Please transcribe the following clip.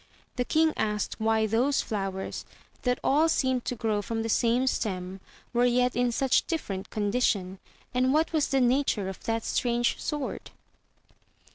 The king asked why those flowers, that all seemed to grow from the same stem, were yet in such different condition, and what was the nature of that strange sword